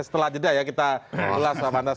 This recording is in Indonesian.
setelah jeda ya kita ulas